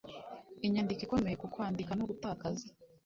inyandiko ikomeye ku kwandika no gutakaza